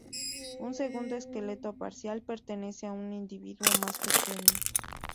Un segundo esqueleto parcial pertenece a un individuo más pequeño.